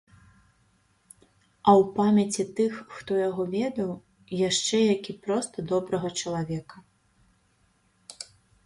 А ў памяці тых, хто яго ведаў, яшчэ як і проста добрага чалавека.